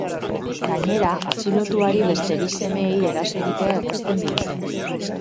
Gainera, atxilotuari beste bi semeei eraso egitea egozten diote.